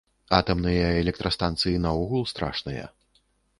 Атамныя электрастанцыі наогул страшныя.